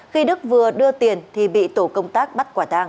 khi đức vừa đưa tiền thì bị tổ công tác bắt quả tàng